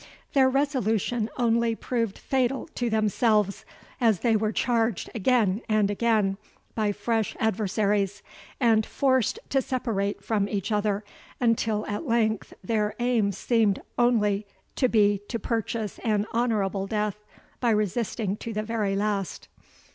Their resolution only proved fatal to themselves, as they were charged again and again by fresh adversaries, and forced to separate from each other, until at length their aim seemed only to be to purchase an honourable death by resisting to the very last.